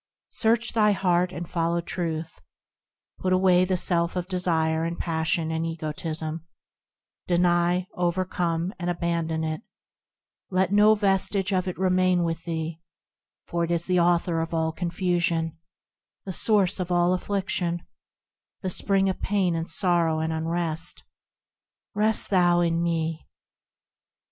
Search thy heart, and follow Truth ; Put away the self of desire and passion and egotism, Deny, overcome, and abandon it ; Let no vestige of it remain with thee, For it is the author of all confusion, The source of all affliction, The spring of pain and sorrow and unrest. Rest thou in me.